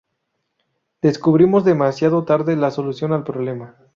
Descubrimos demasiado tarde la solución al problema